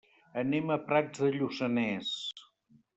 Anem a Prats de Lluçanès.